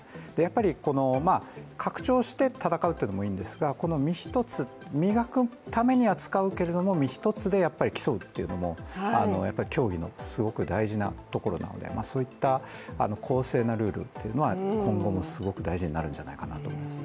この拡張して戦うのもいいんですが、磨くためには扱うけれども、身一つで争うというのもやっぱり競技のすごく大事なことなのでそういった、公正なルールってのは今後も大事になるんじゃないかと思います。